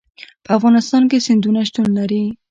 په افغانستان کې سیندونه شتون لري.